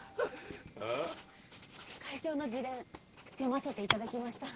ん？会長の自伝読ませていただきました。